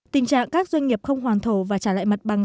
tình trạng các doanh nghiệp không hoàn thổ và trả lại mặt bằng